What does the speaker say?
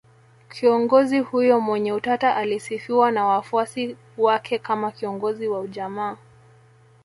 Kiongozi huyo mwenye utata alisifiwa na wafuasi wake kama kiongozi wa ujamaa